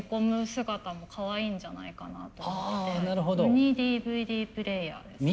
姿もかわいいんじゃないかなと思ってウニＤＶＤプレーヤーです。